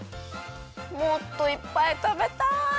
もっといっぱいたべたい！